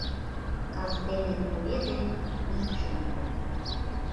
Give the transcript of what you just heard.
Кастене куэ дек ик шоҥго